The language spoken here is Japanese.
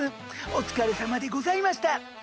お疲れさまでございました。